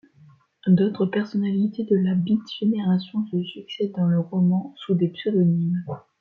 D'autres personnalités de la beat generation se succèdent dans le roman, sous des pseudonymes.